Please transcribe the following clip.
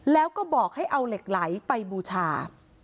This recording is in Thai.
แล้วก็บอกให้เอาเหล็กไหลไปบูชา